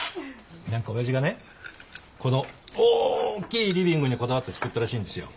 何か親父がねこの大きいリビングにこだわって造ったらしいんですよ。ふーん。